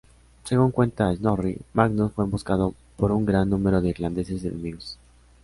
Según cuenta Snorri, Magnus fue emboscado por un gran número de irlandeses enemigos.